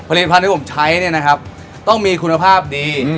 พันธุ์ที่ผมใช้เนี่ยนะครับต้องมีคุณภาพดี